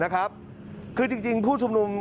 คือจริงผู้ชุมนุม